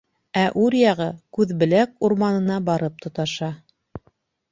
Ә үр яғы Күҙбеләк урманына барып тоташа.